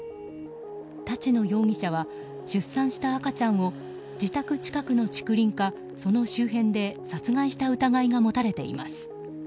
立野容疑者は出産した赤ちゃんを自宅近くの竹林か、その周辺で殺害した疑いが持たれています。